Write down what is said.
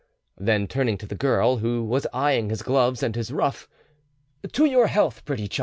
Then turning to the girl, who was eyeing his gloves and his ruff— "To your health, pretty child."